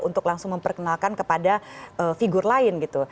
untuk langsung memperkenalkan kepada figur lain gitu